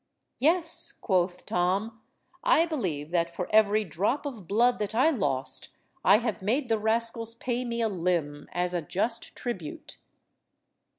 "Yes," quoth Tom, "I believe that for every drop of blood that I lost, I have made the rascals pay me a limb as a just tribute."